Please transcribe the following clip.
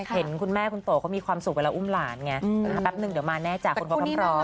เห็นคุณแม่คุณโตเขามีความสุขเวลาอุ้มหลานไงแป๊บนึงเดี๋ยวมาแน่จากคุณพ่อพร้อม